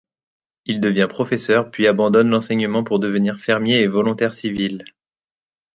Il devient professeur puis il abandonne l'enseignement pour devenir fermier et volontaire civil.